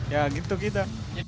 ya gitu kita